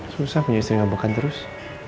susah punya istri ngambekan terus